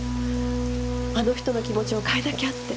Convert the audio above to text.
あの人の気持ちを変えなきゃって。